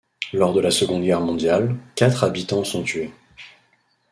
Lors de la Seconde Guerre mondiale, quatre habitants sont tués.